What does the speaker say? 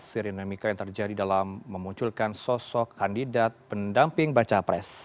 sirinamika yang terjadi dalam memunculkan sosok kandidat pendamping baca pres